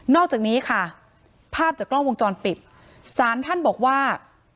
อกจากนี้ค่ะภาพจากกล้องวงจรปิดสารท่านบอกว่า